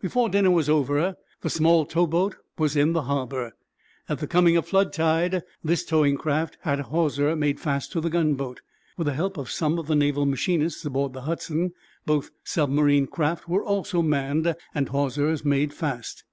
Before dinner was over the small towboat was in the harbor. At the coming of flood tide this towing craft had a hawser made fast to the gunboat. With the help of some of the naval machinists aboard the "Hudson," both submarine craft were also manned and hawsers made fast.